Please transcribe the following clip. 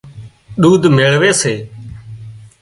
ۮُوڌ ميۯوي سي